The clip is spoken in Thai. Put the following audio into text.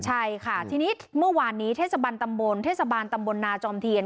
ใช่ค่ะทีนี้เมื่อวานนี้เทศบาลตำบลนาจอมเทียน